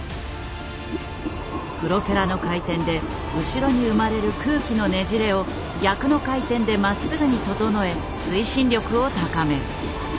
プロペラの回転で後ろに生まれる空気のねじれを逆の回転でまっすぐに整え推進力を高める。